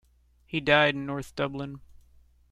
He died in north Dublin.